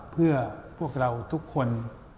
เพื่อพวกเราทุกคน